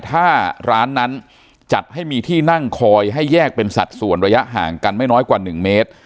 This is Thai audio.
ถ้าร้านนั้นจัดให้มีที่นั่งคอยให้แยกเป็นสัดส่วนระยะห่างกันไม่น้อยกว่า๑เมตร